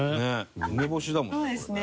梅干しだもんこれね。